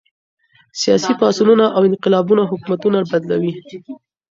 سياسي پاڅونونه او انقلابونه حکومتونه بدلوي.